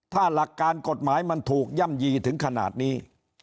ถ้าหลักการกฎหมายมันถูกย่ำยีถึงขนาดนี้